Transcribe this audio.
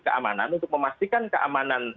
keamanan untuk memastikan keamanan